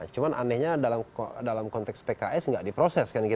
cuma anehnya dalam konteks pks nggak diproses